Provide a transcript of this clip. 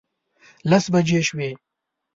لس بجې شوې.